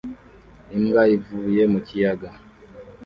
Imbwa ivuye mu kiyaga